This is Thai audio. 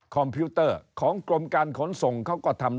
พิวเตอร์ของกรมการขนส่งเขาก็ทำ